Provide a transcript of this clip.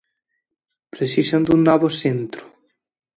Precisan dun novo centro?